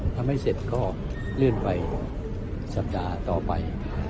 ถ้าไม่เสร็จก็เลื่อนไปสัปดาห์ต่อไป